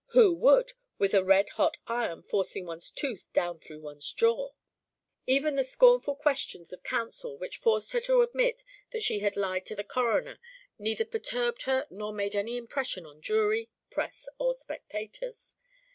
Who would, with a red hot iron forcing one's tooth down through one's jaw? Even the scornful questions of counsel which forced her to admit that she had lied to the coroner neither perturbed her nor made any impression on jury, press, or spectators.